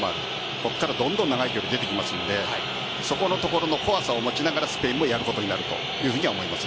ここから長い距離が出てきますのでそこのところの怖さを持ちながらスペインもやることになると思います。